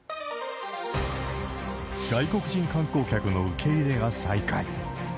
外国人観光客の受け入れが再開。